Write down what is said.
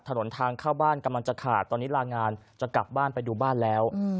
ถนนทางเข้าบ้านกำลังจะขาดตอนนี้ลางานจะกลับบ้านไปดูบ้านแล้ว